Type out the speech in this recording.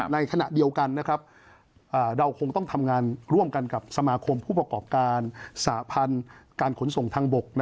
ในขณะเดียวกันเราคงต้องทำงานร่วมกันกับสมาคมผู้ประกอบการสาพันธ์การขนส่งทางบก